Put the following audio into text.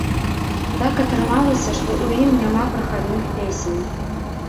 Так атрымалася, што ў ім няма прахадных песень.